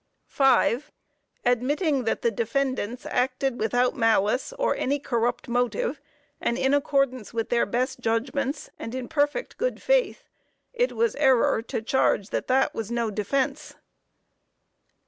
5. Admitting that the defendants acted without malice, or any corrupt motive, and in accordance with their best judgments, and in perfect good faith, it was error to charge that that was no defense.